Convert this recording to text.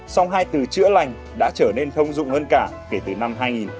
song hai từ chữa lành đã trở nên thông dụng hơn cả kể từ năm hai nghìn một mươi